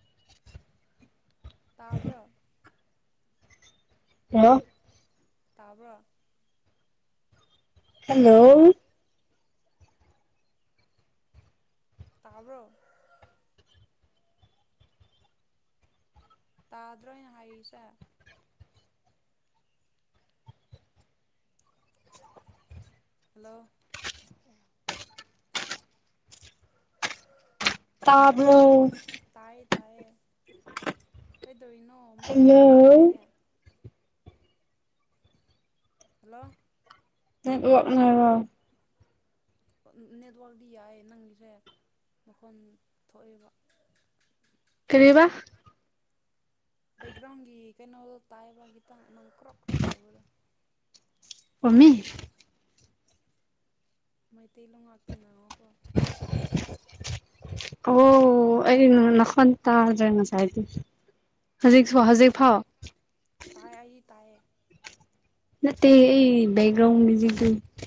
[inaudible] ꯇꯥꯕ꯭ꯔꯣ ꯍ ꯇꯥꯕ꯭ꯔꯣ ꯍꯂꯣ ꯇꯥꯔꯕꯣ ꯇꯥꯗ꯭ꯔꯣꯅ ꯍꯥꯏꯔꯤꯁꯦ ꯍꯂꯣ ꯇꯥꯕ ꯇꯥꯏꯌꯦ ꯇꯥꯏꯌꯦ ꯀꯩꯗꯧꯅꯣ ꯃꯈꯣꯟ ꯑꯃꯛ ꯍꯜꯂꯣ ꯀꯜꯂꯦꯅꯦ ꯍꯜꯂꯣ [inaudible] ꯅꯦꯠꯋꯥꯛꯇꯤ ꯌꯥꯏ ꯅꯪꯒꯤꯁꯦ ꯃꯈꯣꯟ ꯊꯣꯛꯑꯦꯕ ꯀꯦꯕ ꯕꯦꯛꯒ꯭ꯔꯥꯎꯟꯒꯤ ꯀꯩꯅꯣ ꯇꯥꯏꯕ ꯈꯤꯇꯪ ꯅꯪ ꯀ꯭ꯔꯣ ꯀ꯭ꯔꯣ ꯇꯧꯕꯗꯣ ꯀꯃꯤ ꯃꯩꯇꯩꯂꯣꯟꯣꯡ ꯉꯥꯛꯇ ꯉ ꯑꯣ ꯑꯩ ꯅꯈ ꯇ ꯍꯥꯏꯦꯅ ꯆꯥꯏꯗ ꯍꯧꯖꯤꯛꯁꯨ ꯑꯣ ꯍꯧꯖꯤꯛ ꯐꯥꯎ ꯇꯥꯏ ꯑꯩꯗꯤ ꯇꯥꯏꯌꯦ ꯅ ꯑꯩ ꯦꯛꯒ꯭ꯔꯥꯎꯟ ꯃꯤꯖꯤ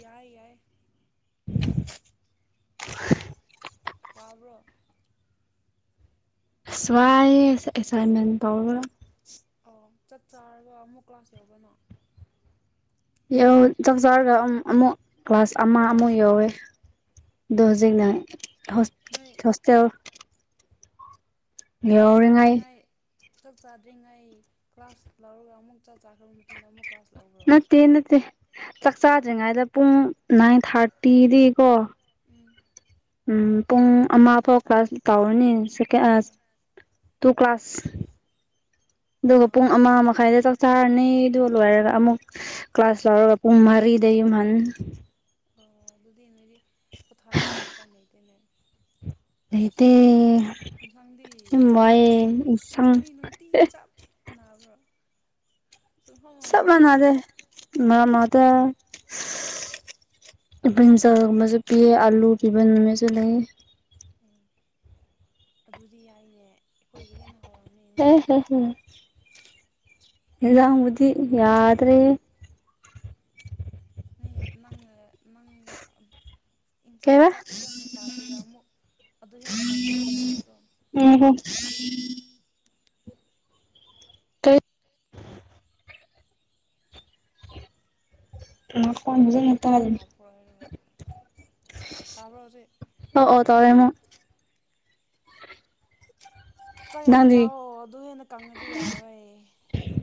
ꯌꯥꯏ ꯌꯥꯏ [inaudible] ꯄꯕ꯭ꯔꯣ ꯁꯋꯥꯏ ꯑꯦꯁꯥꯏꯟꯃꯦꯟ ꯇꯧ ꯆꯠ ꯆꯥꯒ ꯑꯃꯨꯛ ꯀ꯭ꯂꯥꯁ ꯌꯧꯕꯅꯣ ꯆꯥꯛ ꯆꯥꯔꯒ ꯑꯃꯨꯛ ꯀ꯭ꯂꯥꯁ ꯑꯃ ꯑꯃꯨꯛ ꯌꯧꯋꯦ ꯑꯣ ꯗꯣꯖꯤꯤꯡꯅ ꯅꯣꯏ ꯍꯣꯁꯇꯦꯜ ꯆꯞ ꯌꯧꯔꯤꯉꯩ ꯆꯥꯗ꯭ꯔꯤꯉꯥꯏ ꯆꯥꯛ ꯆꯥꯗ꯭ꯔꯤꯉꯩ ꯀ꯭ꯂꯥꯁ ꯂꯧꯔꯒ ꯑꯃꯨꯛ ꯆꯥꯛ ꯆꯥꯈ꯭ꯔꯕ ꯃꯇꯨꯡꯗ ꯑꯃꯨꯛ ꯀ꯭ꯂꯥꯁ ꯂꯧꯕ꯭ꯔꯣ ꯅꯠꯇꯦ ꯅꯠꯇꯦ ꯆꯥꯛꯆꯥꯥꯗ꯭ꯔꯤꯉꯩꯗ ꯄꯨꯡ ꯅꯥꯏꯟ ꯊꯥꯔꯇꯤꯗꯤ ꯀꯣ ꯎꯝ ꯎꯝ ꯄꯨꯡ ꯑꯃ ꯐꯥꯎ ꯀ꯭ꯂꯥꯁ ꯇꯧꯔꯅꯤ ꯁ ꯇꯨ ꯀ꯭ꯂꯥꯁ ꯑꯗꯨꯒ ꯑꯣ ꯄꯨꯡ ꯑꯃ ꯃꯈꯥꯏꯗ ꯆ ꯁꯥꯔꯅꯦꯗꯨ ꯂꯣꯏꯔꯒ ꯑꯃꯨꯛ ꯀ꯭ꯂꯥꯁ ꯂꯧꯔꯒ ꯄꯨꯡ ꯃꯔꯤꯗꯩꯟ ꯑꯣ ꯑꯗꯨꯗꯤ ꯅꯣꯏꯗꯤ ꯄꯣꯊꯥꯅꯤꯡꯉꯦ ꯃꯇꯝ ꯂꯩꯇꯣꯏꯅꯦ ꯑꯩꯗꯤ ꯌꯦꯟꯁꯥꯡꯗꯤ ꯁꯨꯡ ꯏꯟꯁꯥꯡ ꯌꯦꯟꯁꯥꯡꯗꯤ ꯅꯨꯡꯇꯤ ꯆꯞ ꯅꯥꯕ꯭ꯔꯥ ꯁꯕ ꯃꯅꯥꯗꯦ ꯃ ꯃꯥꯗ ꯄ ꯆ ꯃꯁ ꯄꯤꯌꯦ ꯑꯂꯨ ꯄꯤꯕ ꯃꯁꯨ ꯂꯩ ꯎꯝ ꯑꯗꯨꯗꯤ ꯌꯥꯏꯅꯦ ꯑꯩꯈꯣꯏꯒꯤ ꯍꯦꯟꯅ ꯍꯥꯎꯔꯝꯅꯤ ꯍ ꯅꯨꯡꯇꯤ ꯍ ꯍ ꯏꯗꯕꯨꯗꯤ ꯌꯥꯗ꯭ꯔꯦ ꯅ ꯅꯪꯅ ꯅꯪ ꯀꯩꯕ ꯆꯥꯛ ꯐꯖꯅ ꯆꯥꯗ꯭ꯔꯒ ꯑꯃꯨꯛ ꯑꯗꯨ ꯍꯦꯟꯅ ꯀꯪꯅꯗꯤ ꯌꯥꯔꯣꯏꯀꯣ ꯉꯥꯏꯈꯣ ꯀ ꯃꯥ ꯀꯗ ꯉꯁꯥꯏ ꯅꯠꯇ ꯀꯩꯅꯣ ꯍꯥꯞꯄ꯭ꯔꯣ ꯍꯥꯏꯔꯒ ꯇꯥꯕ꯭ꯔꯣ ꯍꯧꯖꯤꯛ ꯑꯣ ꯑꯣ ꯇꯔꯦꯃꯣ ꯆꯥꯛ ꯌꯥꯝ ꯅꯪꯗꯤ ꯆꯑꯣ ꯑꯗꯨ ꯍꯦꯟꯅ ꯀꯪꯉꯗꯤ ꯌꯥꯔꯣꯏ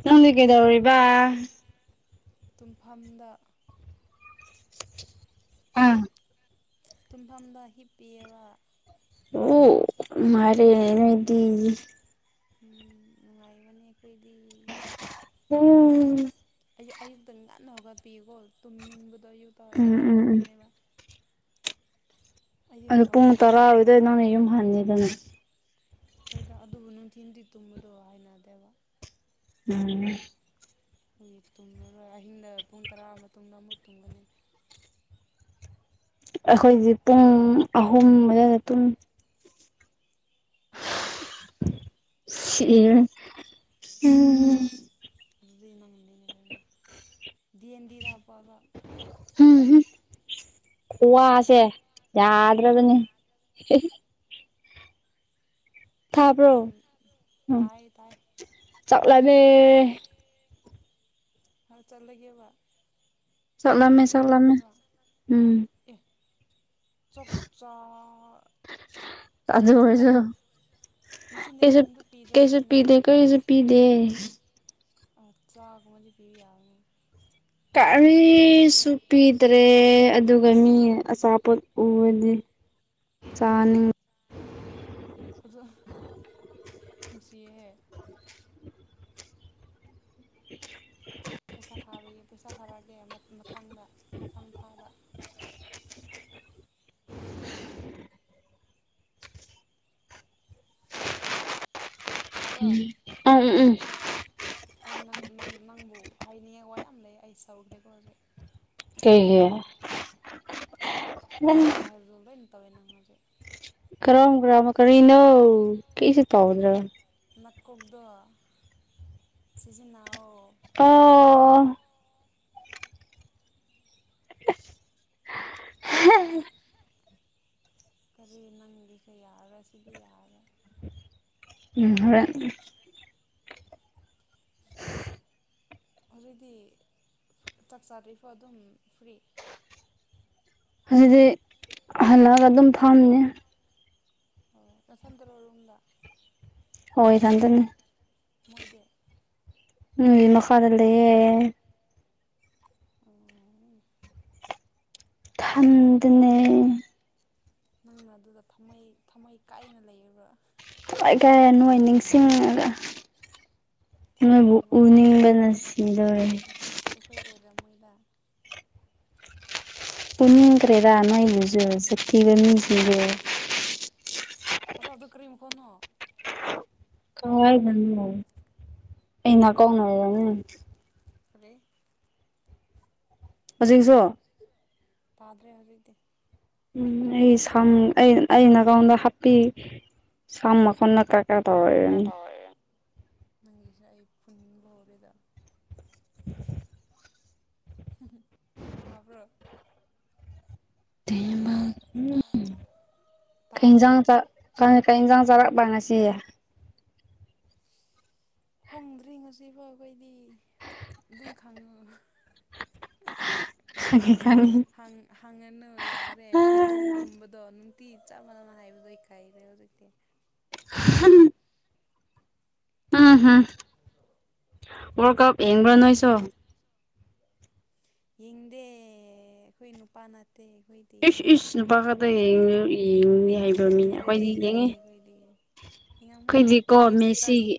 ꯅꯪꯗꯤ ꯀꯩꯗꯧꯔꯤꯕ ꯇꯨꯡꯐꯝꯗ ꯑꯥ ꯇꯨꯝꯐꯝꯗ ꯍꯤꯞꯄꯤꯕ ꯑꯣ ꯃꯥꯔꯦꯅꯗꯤ ꯎꯝ ꯅꯨꯡꯉꯥꯏꯕꯅꯦ ꯑꯩꯈꯣꯏꯗꯤ ꯎꯝ ꯑꯌꯨꯛ ꯑꯌꯨꯛꯇꯪ ꯉꯟꯅ ꯍꯧꯔꯒꯠ ꯄꯤꯌꯨꯀꯣ ꯇꯨꯝꯅꯤꯡꯕꯗꯣ ꯑꯌꯨꯛꯇ ꯎꯝ ꯑꯦꯂꯥꯔꯝ ꯎꯝ ꯎꯝ ꯍꯥꯞꯄꯅꯦꯕ ꯑꯩꯗꯤ ꯑꯗꯨ ꯄꯨꯡ ꯍꯧꯒꯠꯄ ꯇꯔꯥ ꯉꯝꯗꯕꯅꯦ ꯑꯣꯏꯗꯣꯏ ꯅꯪꯅ ꯌꯨꯝ ꯍꯟꯅꯤꯗꯅ ꯍꯣꯏꯗ ꯑꯗꯨꯕꯨ ꯅꯨꯡꯊꯤꯟ ꯇꯕꯗꯣ ꯍꯥꯏꯅꯗꯦꯕ [inaudible] ꯑꯩꯈꯣꯏ ꯇꯨꯝꯉꯔꯣꯏ ꯑꯍꯤꯡꯗ ꯄꯨꯡ ꯇꯔꯥ ꯃꯇꯨꯡꯗ ꯑꯃꯨꯛ ꯇꯨꯝꯒꯅꯤ ꯑꯩꯈꯣꯏꯗꯤ ꯄꯨꯡ ꯑꯍꯨꯝ ꯑꯗꯨꯗ ꯄꯨꯡ ꯁꯤ ꯎꯝ ꯑꯗꯨ ꯏ ꯃ ꯍꯗꯤꯗ ꯄ ꯎꯝꯝ ꯋꯥꯁꯦ ꯌꯥꯗ꯭ꯔꯕꯅꯤ ꯇꯥꯕ꯭ꯔꯣ ꯇꯥꯏ ꯇꯥꯏ ꯑꯗꯦ ꯍꯥꯎ ꯆꯠ ꯂꯩ ꯋꯥ ꯆꯠꯂꯃꯦ ꯆꯠꯂꯃꯦ ꯎꯝ ꯆꯧꯞꯆꯥ ꯀꯗꯨ ꯑꯣꯏꯁꯨ ꯅꯨꯡꯊꯤꯟꯗꯩ ꯀꯁ ꯀꯩꯝꯇ ꯄꯤꯗ꯭ꯔꯥ ꯀꯩꯁ ꯃꯣꯏꯅ ꯄꯤꯗ ꯀꯩꯁ ꯄꯤꯗ ꯑꯆꯥꯥꯒ ꯃ ꯄ ꯌꯥꯝ ꯀꯔꯤꯁꯨ ꯄꯗ꯭ꯔꯦ ꯑꯗꯨꯒ ꯃꯤ ꯑꯆꯥꯄꯣꯠ ꯎꯕꯗꯤ ꯆꯥꯅꯤꯡꯉꯤ ꯑꯗꯨꯗ ꯅꯨꯡꯁꯤꯍꯦꯛ ꯑꯣ [unintelligible] ꯄꯩꯁꯥ ꯁꯥꯕꯤꯌꯦ ꯄꯩꯁꯥ ꯁꯥꯔꯛꯑꯒꯦ ꯃꯊꯥꯡꯗ ꯃꯊꯥꯡ ꯊꯥꯕ ꯎꯝ ꯇꯥꯕ꯭ꯔꯣ ꯎꯝ ꯎꯝ ꯑꯩꯪ ꯅꯪꯕꯨ ꯍꯥꯏꯅꯤꯡꯉꯦ ꯋꯥ ꯌꯥꯝ ꯂꯩ ꯑꯩ ꯁꯧꯈ꯭ꯔꯦ ꯈꯣꯈꯦ ꯑꯩꯒꯌꯦ ꯐꯒꯨ ꯋꯥꯍꯔꯗꯗꯅ ꯇꯧꯦꯅꯪꯉꯔ ꯀꯔꯝ ꯀꯔꯝ ꯀꯔꯤꯅꯧ ꯀꯩꯁꯦ ꯇꯧꯎꯗ꯭ꯔꯥꯒ ꯀꯒꯗꯣ ꯁꯤꯁꯤ ꯅꯅꯥꯎ ꯑꯣ [inaudible] ꯀꯔꯤ ꯅꯪꯂꯤꯁꯦ ꯌꯥꯔꯦ ꯁꯤꯗꯤ ꯌꯥꯔꯦ ꯍꯔ ꯍꯧꯖꯤꯛꯇꯤ ꯆꯥꯛ ꯆꯥꯔꯐ ꯑꯗꯨꯝ ꯐ꯭ꯔꯤ ꯍꯧꯖꯤꯗꯤ ꯍꯜꯂꯒ ꯑꯗꯨꯝ ꯐꯥꯝꯅꯦ ꯑꯣ ꯅꯁꯟꯗꯔꯣꯔꯨꯝꯗ ꯑꯣꯏ ꯀꯗꯅꯤ [unintelligible] ꯃꯣꯏꯗꯤ ꯃꯤ ꯃꯈꯀꯥꯗ ꯂꯩꯌꯦ ꯑꯣ ꯊꯟꯗꯅꯅꯦ ꯅꯪꯅ ꯑꯗꯨꯗ ꯊꯝꯃꯩ ꯊꯝꯃꯩ ꯀꯥꯏꯅ ꯂꯩꯔꯕ ꯊꯋꯥꯏꯈ ꯅꯣꯏ ꯅꯤꯡꯁꯤꯡꯉꯒ ꯃ ꯑꯩꯈꯣꯏ ꯑꯣꯏꯔꯝꯃꯣꯏꯗ ꯎꯅꯤꯕ ꯅꯁꯤꯗꯣꯔꯦꯍꯦ ꯌ ꯃꯣꯏꯗ ꯄꯨꯟꯅꯈ꯭ꯔꯦꯗ ꯑꯅ ꯌꯨꯖ ꯁꯛꯇꯤꯒꯅꯤꯁꯤꯒ ꯑꯁ ꯑꯗꯨ ꯀꯔꯤꯝ ꯀꯣꯟꯣ ꯀꯗꯅꯤ ꯑꯩꯅ ꯀꯅ ꯑꯣꯏꯗꯅꯤ ꯔ ꯍꯧꯖꯤꯛꯁꯨ ꯇꯥꯗꯔꯦ ꯍꯧꯔ ꯎꯝ ꯑꯩ ꯁꯝ ꯑꯩꯅꯀꯥꯎꯗ ꯍꯥꯞꯄꯤ ꯁꯝ ꯃꯈꯣꯟꯅ ꯀꯛ ꯍ ꯇꯧꯥꯏ ꯅꯪꯒꯤꯁꯦ ꯑꯩ ꯄꯨꯅꯤꯡꯕ ꯍꯧꯔꯦꯗ ꯇꯥꯕꯔꯣ ꯇꯥꯕ꯭ꯔꯣ [unintelligible] ꯆꯔꯥꯛ ꯉꯥꯁꯌꯦ ꯍꯣꯡꯗ꯭ꯔꯤ ꯉꯁꯤꯐꯥꯎ ꯑꯩꯈꯣꯏꯗꯤ ꯨꯗꯨꯝ ꯈꯪꯉ ꯀ ꯈꯥꯡꯉꯅꯨ ꯌꯥꯔꯦ ꯑꯩꯈꯣꯏ ꯈꯨꯝꯕꯗꯣ ꯅꯨꯡꯇꯤ ꯆꯞ ꯃꯥꯟꯅꯅ ꯍꯥꯏꯕꯗꯣ ꯑꯩ ꯀꯥꯏꯔꯦ ꯍꯧꯖꯤꯛꯇꯤ [inaudible] ꯎꯝ ꯋꯥꯔ ꯀꯞ ꯑꯦꯡꯒ꯭ꯔꯅꯣꯏꯁ ꯌꯦꯡꯗꯦ ꯑꯩꯈꯣꯏ ꯅꯨꯄꯥꯅ ꯏ ꯏꯁ ꯄ ꯀꯗ ꯌꯦꯡꯅꯤ ꯍꯩꯕ꯭ꯔ ꯃꯤꯅꯦ ꯏꯟꯇꯔꯦꯁ ꯑꯩꯈꯣꯏꯗꯤ ꯂꯩꯇꯦ ꯌꯦꯡꯉꯤ ꯑꯩꯈꯣꯏꯗꯤ ꯌꯦꯡꯉꯝꯒꯅꯤ ꯑꯩꯈꯣꯏꯗꯤꯀꯣ ꯅꯪꯒꯤ ꯏꯁꯇꯦꯇꯁ ꯃꯦꯁꯤꯒꯤ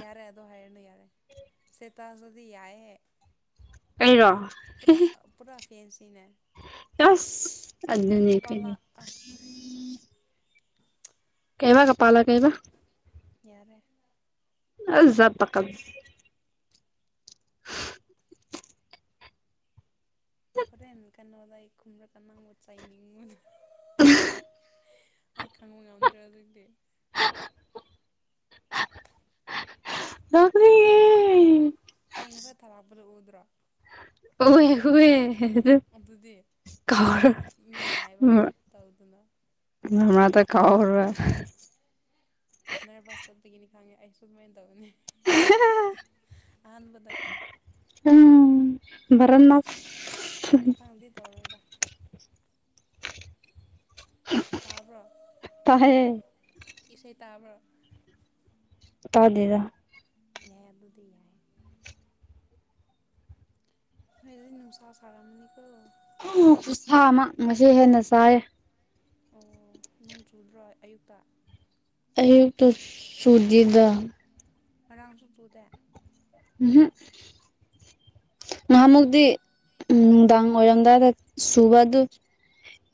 ꯌꯥꯔꯦ ꯑꯗꯣ ꯍꯥꯏꯔꯅꯨ ꯌꯥꯔꯦ ꯁꯦꯇꯥꯁꯨꯗꯤ ꯌꯥꯏꯑꯦ ꯑꯩꯔꯣ ꯄꯨꯔꯥ ꯄꯨꯔꯥ ꯐꯦꯟꯁꯤꯅꯦ ꯑꯁ ꯑꯗꯨꯅꯤ ꯀ ꯀꯄꯥꯜꯂꯥ ꯑ ꯀꯩꯕ ꯀꯄꯥꯂ ꯀꯩꯕ ꯌꯥꯔꯦ ꯑꯖ ꯄꯀ ꯍꯣꯔꯦꯟ ꯀꯩꯅꯣ ꯑꯣꯗꯥꯏ ꯈꯨꯝꯔ ꯀ ꯅꯕ ꯆꯥꯏꯅꯤꯡꯉ ꯑ ꯑꯩ ꯈꯪꯕ ꯉꯝꯗ꯭ꯔ ꯑꯗꯨꯗꯤ ꯂꯔꯤ ꯑꯩ ꯉꯁꯥꯏ ꯊꯥꯔꯛꯄꯗꯣ [inaudible] ꯎꯋ ꯑꯗꯨꯗꯤ ꯃꯤꯅ ꯍꯥꯏꯕ ꯑꯝꯇ ꯇꯧꯗꯅ ꯍꯋ [inaudible] ꯀꯥꯎꯔ ꯅꯔ ꯄꯁꯇꯞꯒꯤꯅꯤ ꯈꯪꯉꯦ ꯑꯩ ꯁꯨ ꯀꯃꯥꯏꯅ ꯇꯧꯒꯅꯤ ꯑꯍꯥꯟꯕꯥꯟꯕꯗꯀꯣ ꯔꯅꯥꯅꯥꯁ ꯃꯊꯪꯗꯤ ꯇꯧꯔꯣꯏꯗ ꯇꯥꯕ꯭ꯔꯣ [inaudible] ꯏꯁꯩ ꯇꯥꯕ꯭ꯔꯣ ꯇꯥꯗꯗ ꯌꯥꯏꯌꯦꯕꯨꯗꯤ ꯌꯥꯏ ꯍꯥꯏꯅ ꯁꯥ ꯁꯔꯥ ꯃꯅꯤ ꯀꯧꯕ ꯈꯨꯠꯁꯥꯃꯛ ꯉ ꯍꯦꯟꯅ ꯆꯥꯏꯌꯦ ꯑꯣ ꯅꯣꯡ ꯆꯨꯗ꯭ꯔꯣꯏ ꯑꯌꯨꯛꯇ ꯑꯌꯨꯛꯇ ꯁꯨꯖꯤꯗ ꯑꯥꯡꯁꯨ ꯇꯨꯗ ꯎꯝꯍ ꯅꯍꯥ ꯃꯨꯗꯤ ꯎꯝꯗꯥꯡ ꯑꯣꯏꯔꯝꯗꯥꯗ ꯁꯨꯕ ꯑꯗꯨ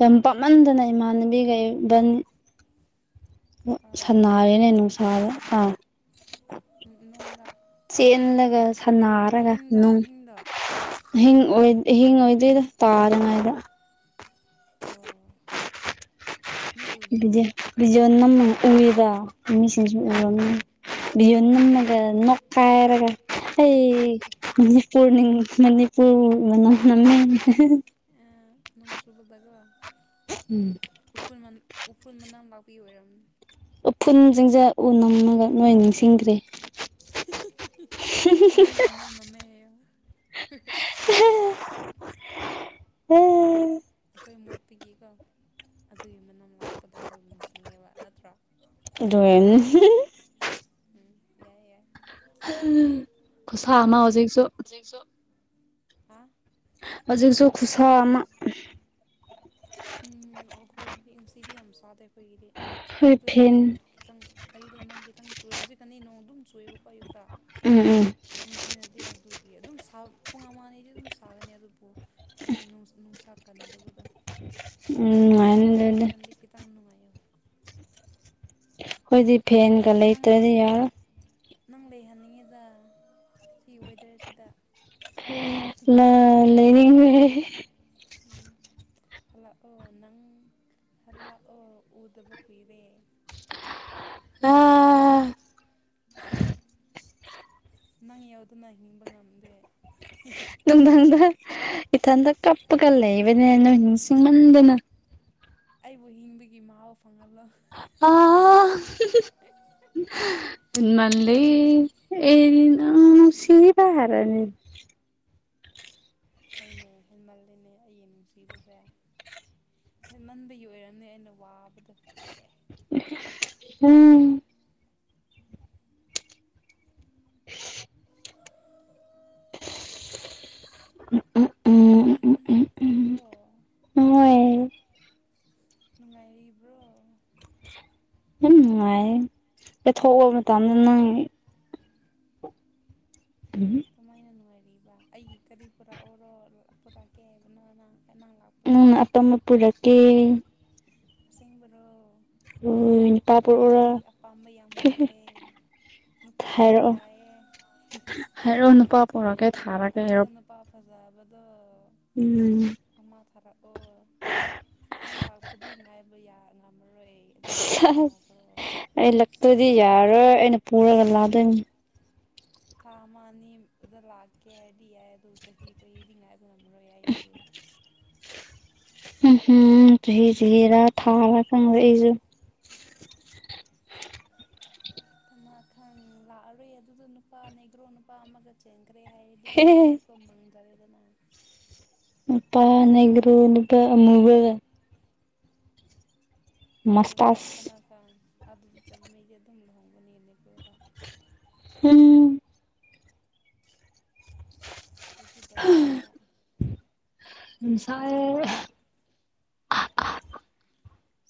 ꯌꯥꯝ ꯄꯥꯝꯃꯟꯗꯅ ꯏꯃꯥꯟꯅꯕꯤꯒꯩꯟ ꯑꯥ ꯁꯅꯥꯔꯦꯅꯦ ꯅꯨꯡꯁꯥꯔ ꯑꯥ ꯎꯪ ꯆꯦꯜꯂꯒ ꯁꯅꯥꯔꯒ ꯑꯍꯤꯡꯗ ꯅꯨꯡ ꯑꯍꯤꯡꯗ ꯑꯍꯤꯡ ꯑꯍꯤꯡ ꯑꯣꯏꯗꯣꯏꯗ ꯇꯥꯔꯤꯉꯥꯏꯗ ꯑꯣ ꯃꯤ ꯎꯗ꯭ꯔꯣ ꯕꯤ ꯕꯤꯖꯣ ꯅꯝ ꯎꯏꯔ ꯃꯤꯁꯤꯡꯁꯤ ꯑꯦ ꯎꯔꯣ ꯕꯤꯒ ꯅꯕꯥꯅꯤꯅ ꯅꯣꯀꯥꯏꯔꯒ ꯑꯦ ꯑꯩ ꯑꯦ ꯑꯦ ꯃꯅꯤꯄꯨꯔ ꯅꯤꯡ ꯃꯅꯤꯄꯨꯔ ꯃꯅꯤꯡꯍꯃꯦ꯫ ꯅꯣꯡꯖꯨꯕꯗꯀꫭ ꯎꯐꯨꯜ ꯃꯟ ꯎꯐꯨꯜ ꯃꯅꯝ ꯂꯥꯛꯄꯒꯤ ꯑꯣꯏꯔꯝ꯫ ꯎꯐꯨꯜꯁꯤꯡꯁꯦ ꯎ ꯅꯝꯅꯒ ꯅꯣꯏ ꯅꯤꯡꯁꯤꯡꯈ꯭ꯔꯦ꯫ ꯫ ꯅꯩ ꯌꫭꯅꯅꯝꯃ‌ꯦ ꯑꯌꫭ꯫ ꯎꯝ꯫ ꯑꯈꯣꯏ ꯃꯣꯠꯄꯒꯤꯀꯣ ꯑꯗꯨꯒꯤ ꯃꯅꯝ ꯂꯥꯛꯄꯗ ꯑꯈꯣꯏꯕꯨ ꯅꯤꯡꯁꯤꯡꯉꯦꯕ ꯅꯠꯇ꯭ꯔꯣ꯫ ꯑꯗꯨ ꯑꫭꯏꯔꯝꯅꯤ꯫ ꯎꯝ ꯌꯥꯏ ꯌꯥꯏ ꯈꯨꯁꯥ ꯑꯃ ꯍꯧꯖꯤꯛꯁꯨ꯫ ꯍꯥ ꯍꯧꯖꯤꯛꯁꯨ ꯈꯨꯁꯥ ꯑꯃ꯫ ꯎꯝ ꯑꯈꯣꯏꯗꯤ ꯉꯥꯁꯤꯗꯤ ꯌꯥꯝ ꯆꯥꯗꯦ ꯑꯈꯣꯏꯒꯤꯗꯤ ꯍꯣꯏ ꯑꯌꯨꯛꯇꯨ ꯐꯦꯟ ꯅꯨꯡ ꯈꯤꯇꯪ꯫ ꯑꯌꯨꯛꯇ ꯅꯣꯡ ꯈꯤꯇꯪ ꯆꯨꯔꯑꯦ ꯍꯧꯖꯤꯛꯀꯅꯤ ꯅꯣꯡ ꯑꯗꯨꯝ ꯆꯨꯑꯦꯕꯀꯣ ꯑꯌꯨꯛꯇ ꯎꯝ ꯎꯝ ꯎꯝ ꯅꯨꯡꯊꯤꯅꯗꯤ꯫ ꯑꯗꯨꯗꯤ ꯑꯗꯨꯝ ꯄꯨꯡ ꯑꯃꯅꯤꯗꯤ ꯑꯗꯨꯝ ꯁꯥꯒꯅꯤ ꯑꯗꯨꯕꯨ ꯑꯗꯨꯝ ꯅꯨꯡꯁꯥ ꯀꯟꯗꯕꯗꯣ꯫ ꯎꯝ ꯅꯨꯡꯉꯥꯏꯅꯤꯗꯨꯗꯤ꯫ ꯍꯧꯖꯤꯛꯀꯥꯟꯗꯤ ꯈꯤꯇꯪ ꯅꯨꯡꯉꯥꯏꯌꯦ ꯑꯈꯣꯏꯗꯤ ꯐꯦꯟꯒ ꯅꯪ ꯅꯪ ꯂꯩꯇ꯭ꯔꯗꯤ ꯌꯥꯔꯣꯏ꯫ ꯅꯪ ꯂꯩꯍꯟꯅꯤꯡꯉꯤꯗ ꯁꯤ ꯋꯦꯗꯔꯁꯤꯗ꯫ ꯅꯂꯩꯅꯤꯡꯉ‌ꯦ꯫ ꯎꯝ ꯍꯜꯂꯛꯑꯣ ꯅꯪ ꯍꯜꯂꯛꯑꯣ ꯎꯗꯕ ꯀꯨꯏꯔꯦ꯫ ꯑꯥ꯫ ꯅꯪ ꯌꯥꯎꯗꯅ ꯍꯤꯡꯕ ꯉꯝꯗꯦ꯫ ꯅꯨꯡꯗꯥꯡꯗ ꯏꯊꯟꯇ ꯀꯞꯄꯒ ꯂꯩꯕꯅꯦ ꯅꫭꯏ ꯅꯤꯡꯁꯤꯡꯃꯟꯗꯅ꯫ ꯑꯩꯕꯨ ꯍꯤꯡꯕꯒꯤ ꯃꯍꯥꯎ ꯐꯪꯍꯜꯂꯣ꯫ ꯑꯥ꯫ ꯍ‌ꯦꯟꯃꯜꯂꯤ ꯑꯩꯗꯤ ꯅꯪ ꯅꯨꯡꯁꯤꯕ ꯍꯥꯔꯅꯤ꯫ ꯍꫭꯏꯅ‌ꯦ ꯍ‌ꯦꯟꯃꯦꯠꯂ‌ꯦꯅꯦ ꯑꯩꯒꯤ ꯅꯨꯡꯁꯤꯕꯁꯦ꯫ ꯍꯦꯟꯃꯟꯕꯒꯤ ꯑꯣꯏꯔꯝꯅꯤ ꯑꯩꯅ ꯋꯥꯕꯗꫭ꯫ ꯎꯝ꯫ ꯎꯝ ꯎꯝ ꯑꯗꯣ ꯎꯝ ꯎꯝ ꯍꯣꯏ꯫ ꯅꯨꯡꯉꯥꯏꯔꯤꯕ꯭ꯔꯣ꯫ ꯅꯨꯡꯉꯥꯏꯌ‌ꯦ ꯀꯩꯊꯣꯛꯑꫭ ꯃꯇꯝꯗ ꯅꯪ꯫ ꯀꯃꯥꯏꯅ ꯫ ꯀꯃꯥꯏꯅ ꯑꯩꯒꯤ ꯀꯔꯤ ꯄꯨꯔꯛ ꯑꯣꯔꯣ ꯄꯨꯔꯛ ꯀꯦ ꯍꯥꯏꯕꯅꫭꯅ꯫ ꯎꯝ ꯑꯄꯥꯝꯕ ꯄꯨꯔꯛꯀꯦ꯫ ꯑꯁꯤꯡꯕꯔꯣ꯫ ꯑꯣꯏ ꯅꯨꯄꯥ ꯄꫭꯔꯛ ꯑꯣꯔꯥ꯫ ꯑꯄꯥꯝꯕ ꯌꯥꯝ ꯂꯩꯌꯦ ꯅꯨꯄꯥꯁꯨ ꯍꯥꯏꯔꯛꯑꫭ ꯌꯥꯏꯌꯦ ꯍꯥꯏꯔꯛꯑꫭ ꯅꯨꯄꯥ ꯄꯨꯔꯛꯀ‌ꯦ ꯊꯥꯔꯛꯀ‌ꯦ ꯍꯥꯏꯔ‌‌ꯣ꯫ ꯑꯗꯨꯗ ꯅꯨꯄꯥ ꯐꯖꯕꯗꯣ꯫ ꯑꯃ ꯊꯥꯔꯛꯑꯣ ꯅꯪ ꯂꯥꯛꯄꯗꯤ ꯉꯥꯏꯕ ꯌꯥ꯫ ꯉꯝꯃꯔꯣꯏ ꯑꯗꯨꯝ ꯊꯥꯈ꯭ꯔꯣ ꯑꯩ ꯂꯛꯇꯗꯤ ꯌꯥꯔꯣꯏ ꯑꯩꯅ ꯄꯨꯔꯒ ꯂꯥꯗꯣꯝ꯫ ꯊꯥ ꯑꯃ ꯑꯅꯤꯗ ꯂꯥꯛꯀ‌ꯦ ꯍꯥꯏꯔꯗꯤꯌꯥꯏ ꯑꯗꫭ ꯆꯍꯤ ꯆꯍꯤꯗꯤ ꯉꯥꯏꯕ꯫ ꯉꯝꯃꯔꯣꯏ ꯫ ꯑꯩꯁꯨ ꯎꯝꯍꯨꯝ ꯆꯍꯤ ꯆꯍꯤꯔ ꯊꯥꯔ ꯈꯪꯗ‌ꯦ ꯑꯩꯁꯨ꯫ ꯫ ꯊꯨꯃꯈꯪ ꯂꯥꯛꯑꯔꯣꯏ ꯑꯗꯨꯗ ꯅꯨꯄꯥ ꯅ‌ꯦꯒ꯭ꯔꯣ ꯅꯨꯄꯥ ꯑꯃꯒ ꯆꯦꯟ꯫ ꯀ꯭ꯔꯦ ꯍꯦ ꯍꯥꯏꯔꯗꯤꯀꯣ ꯈꫭꯏꯗꯤꯀꫭ ꯃꯥꯡꯖꯔꯦꯗꯅ꯫ ꯅꯨꯄꯥ ꯅ‌ꯦꯒ꯭ꯔꫭ ꯅꯨꯄꯥ ꯑꯃꯨꯕꯒ꯫ ꯑꯗꯨꯗ ꯃꯁꯇꯥꯁ ꯀꯅꯥ ꯀꯥꯡ ꯑꯗꯨꯗ ꯆꯠ ꯃꯤꯒꯤꯠ ꯑꯗꯨꯝ ꯂꯍꯣꯡꯒꯅꯤ ꯂꯩꯀꯗ꯫ ꯎꯝ꯫ ꯐꯥꯒꯤ ꯍꯥ ꯇꯧꯕꯅꯤꯗ ꯁꯥꯏꯌ‌ꯦ꯫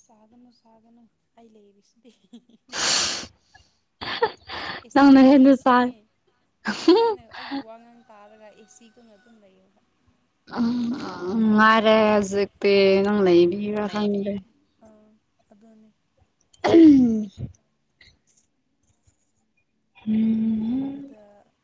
ꯁꯥꯒꯅꯨ ꯁꯥꯒꯅꯨ ꯑꯩ ꯂꯩꯔꯤꯁꯤꯗꯤ꯫ ꯑꯦ ꯅꯪꯅ ꯑꯩ ꯍꯦꯟꯅ ꯁꯥꯏ ꯑꯦꯁꯤꯅꯤ ꯑꯩꯅ ꯑꯩꯒꯤ ꯋꯥ ꯉꯥꯡ ꯇꯥꯔꯒ ꯑꯦꯁꯤ ꯀꯅ ꯑꯗꯨ ꯂꯩꯏ ꯑ ꯉꯥꯏꯔꯦ ꯍꯧꯖꯤꯛꯇꯤ ꯅꯪ ꯂꯩꯕꯤꯔꯥ ꯈꯪꯗꯦ ꯑꯗꯨꯗꯅꯤ ꯎꯝ ꯑꯩ ꯎꯝ ꯂꯩꯕꯗ